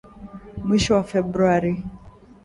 mwishoni mwa Februari